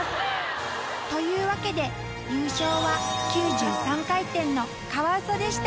というわけで優勝は９３回転のカワウソでした。